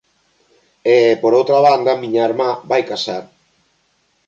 E, por outra banda, miña irmá vai casar.